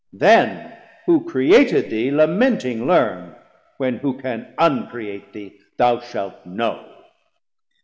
890 Then who created thee lamenting learne, When who can uncreate thee thou shalt know.